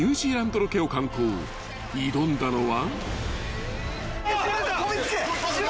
［挑んだのは］